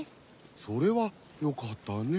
それはよかったね。